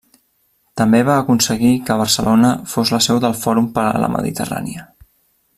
També va aconseguir que Barcelona fos la seu del Fòrum per a la Mediterrània.